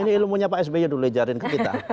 ini ilmunya pak sby dulu ajarin ke kita